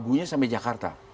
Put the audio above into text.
abunya sampai jakarta